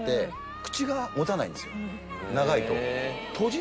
長いと。